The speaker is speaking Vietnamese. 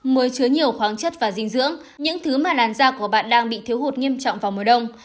mới chứa nhiều khoáng chất và dinh dưỡng những thứ mà làn da của bạn đang bị thiếu hụt nghiêm trọng vào mùa đông